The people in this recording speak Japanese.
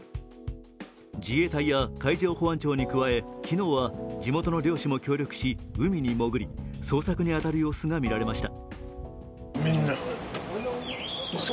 自衛隊や海上保安庁に加え昨日は地元の漁師も協力し、海に潜り、捜索に当たる様子がみられました。